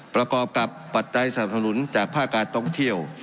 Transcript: ประกอบกับปัจจัยสนับสนุนจากภาคการท่องเที่ยว